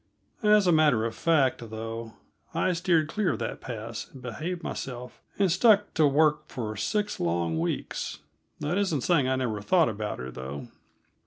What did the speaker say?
As a matter of fact, though, I steered clear of that pass, and behaved myself and stuck to work for six long weeks; that isn't saying I never thought about her, though.